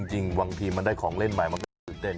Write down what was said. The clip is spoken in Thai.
จริงเนียงมันจะมีรูแล้ว